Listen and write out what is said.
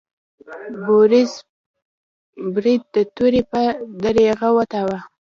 بوریس برید د تورې په ذریعه وتاوه.